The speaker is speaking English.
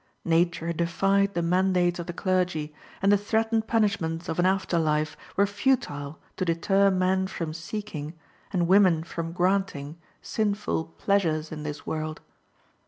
Nature defied the mandates of the clergy, and the threatened punishments of an after life were futile to deter men from seeking, and women from granting, sinful pleasures in this world.